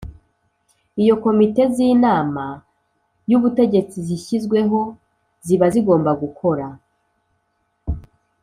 Iyo komite z’inama y’ubutegetsi zishyizweho ziba zigomba gukora